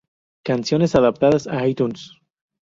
Canciones adaptadas a iTunes.